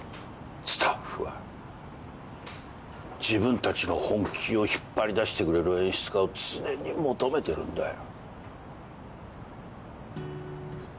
スタッフは自分たちの本気を引っ張り出してくれる演出家を常に求めてるんだよ。